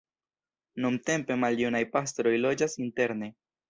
Nuntempe maljunaj pastroj loĝas interne.